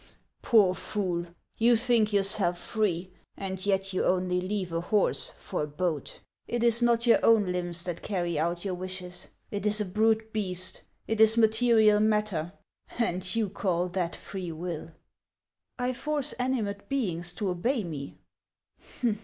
" Poor fool ! You think yourself free, and yet you only leave a horse for a boat. It is not yonr own limbs that HANS OF ICELAND. 51 carry out your wishes ; it is a brute beast, it is material matter ; and you call that free will !"" I force animate beings to obey me."